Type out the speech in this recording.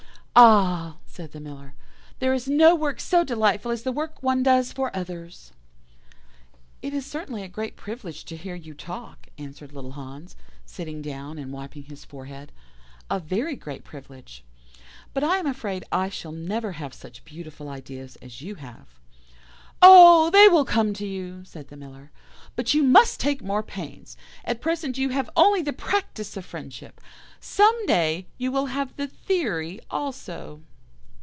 "'Ah!' said the Miller, 'there is no work so delightful as the work one does for others.' "'It is certainly a great privilege to hear you talk,' answered little Hans, sitting down, and wiping his forehead, 'a very great privilege. But I am afraid I shall never have such beautiful ideas as you have.' "'Oh! they will come to you,' said the Miller, 'but you must take more pains. At present you have only the practice of friendship; some day you will have the theory also.